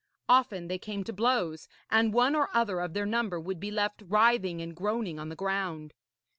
Often they came to blows, and one or other of their number would be left writhing and groaning on the ground.